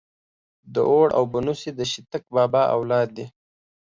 داوړ او بنوڅي ده شيتک بابا اولاد دې.